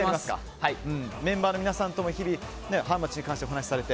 メンバーの皆さんとも日々ハウマッチに関してお話しされて。